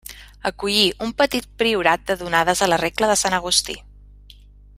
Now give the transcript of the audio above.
Acollí un petit priorat de donades a la regla de Sant Agustí.